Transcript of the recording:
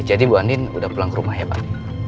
jadi bu andin udah pulang ke rumah ya pak